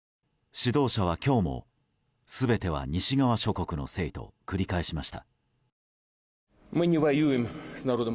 指導者は今日も全ては西側諸国のせいと繰り返しました。